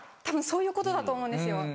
たぶんそういうことだと思うんですよ。